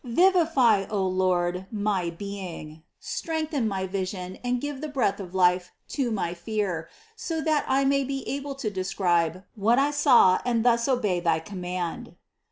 Vivify, O Lord, my being; strengthen my vision and give the breath of life to my fear, so that I may be able to describe what I saw and thus obey thy command.